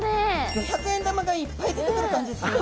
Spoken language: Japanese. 五百円玉がいっぱい出てくる感じですよね。